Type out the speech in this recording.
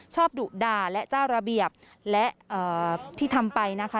ดุด่าและเจ้าระเบียบและที่ทำไปนะคะ